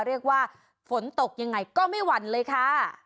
เรียกว่าฝนตกยังไงก็ไม่หวั่นเลยค่ะ